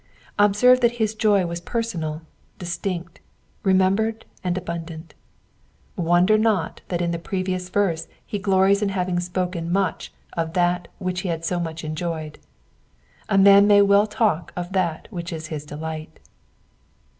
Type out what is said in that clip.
Observe that his joy was personal, distinct, remembered, and abundant. Wonder not that in the previous verse be glories in having spoken much of that which he had so much enjoyed : a man may well talk of that which is his delight.